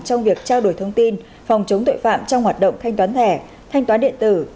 trong việc trao đổi thông tin phòng chống tội phạm trong hoạt động thanh toán thẻ thanh toán điện tử